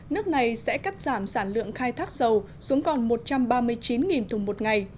nước này sẽ cắt giảm sản lượng khai thác dầu xuống còn một trăm ba mươi chín thùng một ngày